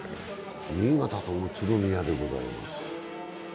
新潟と宇都宮でございます。